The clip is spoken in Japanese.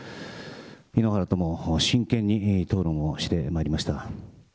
井ノ原とも真剣に討論をしてまいりました。